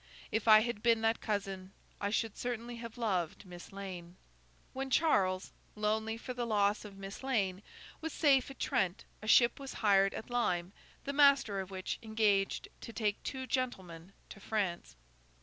If I had been that cousin, I should certainly have loved Miss Lane. When Charles, lonely for the loss of Miss Lane, was safe at Trent, a ship was hired at Lyme, the master of which engaged to take two gentlemen to France.